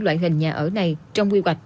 loại hình nhà ở này trong quy hoạch